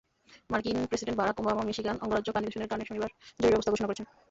মার্কিন president Barack Obama Michigan অঙ্গরাজ্যে পানিদূষণের কারণে শনিবার জরুরি অবস্থা ঘোষণা করেছেন।